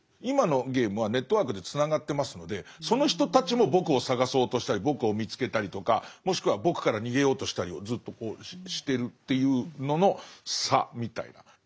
今のゲームはネットワークでつながってますのでその人たちも僕を探そうとしたり僕を見つけたりとかもしくは僕から逃げようとしたりをずっとしてるっていうのの差みたいな。